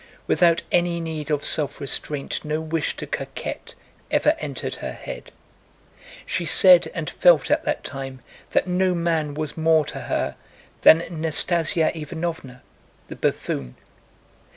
Without any need of self restraint, no wish to coquet ever entered her head. She said and felt at that time that no man was more to her than Nastásya Ivánovna, the buffoon.